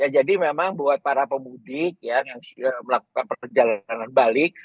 jadi memang buat para pemudik yang sudah melakukan perjalanan balik